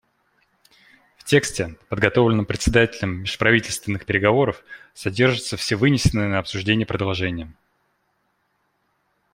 В тексте, подготовленном Председателем межправительственных переговоров, содержатся все вынесенные на обсуждение предложения.